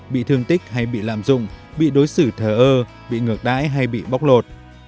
bị thương tích hay bị lạm dụng bị đối xử thờ ơ bị ngược đãi hay bị bóc lột